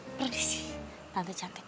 perdi sih tante cantik